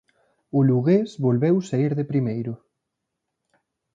O Lugués volveu saír de primeiro.